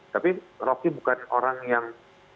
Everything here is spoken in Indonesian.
tapi rocky bukan orang yang